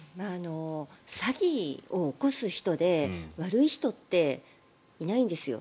詐欺を起こす人で悪い人っていないんですよ。